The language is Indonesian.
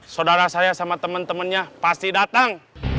saudara saya sama temen temennya pasti datang